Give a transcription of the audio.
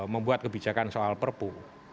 membuat kebijakan soal perbu